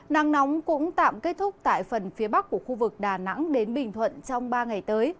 nắng nóng cũng tạm kết thúc tại phần phía bắc của khu vực đà nẵng đến bình thuận trong ba ngày tới